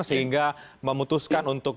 sehingga memutuskan untuk